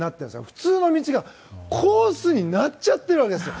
普通の道がコースになっちゃってるわけですよ。